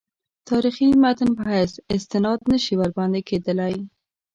تاریخي متن په حیث استناد نه شي ورباندې کېدلای.